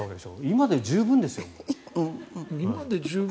今で十分ですよ、もう。